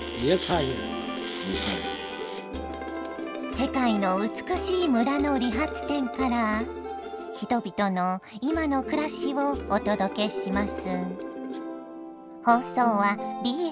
世界の美しい村の理髪店から人々の今の暮らしをお届けします。